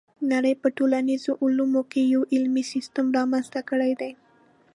نړۍ په ټولنیزو علومو کې یو علمي سیستم رامنځته کړی دی.